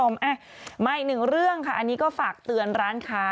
มาอีกหนึ่งเรื่องค่ะอันนี้ก็ฝากเตือนร้านค้า